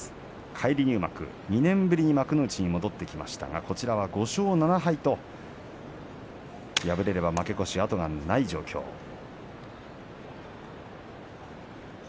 返り入幕２年ぶりに幕内に戻ってきましたがこちらは５勝７敗と敗れれば負け越しが後がない状況です。